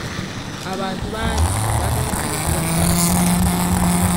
Abantu bangi baagaala nnyo okubasaasira.